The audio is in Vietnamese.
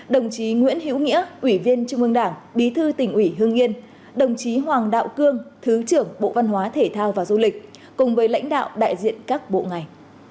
đồng chí nguyễn hữu nghĩa ủy viên trung ương đảng bí thư tỉnh ủy hương yên đồng chí hoàng đạo cương thứ trưởng bộ văn hóa thể thao và du lịch cùng với lãnh đạo đại diện các bộ ngành